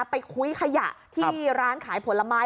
คุ้ยขยะที่ร้านขายผลไม้